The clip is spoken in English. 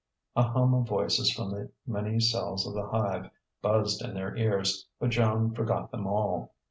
A hum of voices from the many cells of the hive buzzed in their ears. But Joan forgot them all.